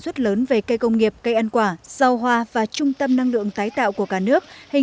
xin chào và hẹn gặp lại